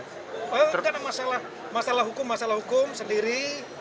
karena masalah hukum masalah hukum sendiri